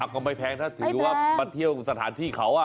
ก็ไม่แพงถ้าถือว่ามาเที่ยวสถานที่เขา